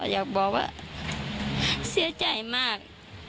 อยากบอกว่าเสียใจมาก